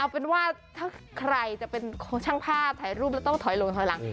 เอาเป็นว่าถ้าใครจะเป็นช่างภาพถ่ายรูปแล้วต้องถอยลงถอยหลัง